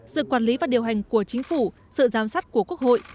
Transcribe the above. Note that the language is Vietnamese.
sự quản lý và điều hành của chính phủ sự giám sát của quốc hội